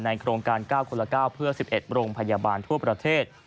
โครงการ๙คนละ๙เพื่อ๑๑โรงพยาบาลทั่วประเทศ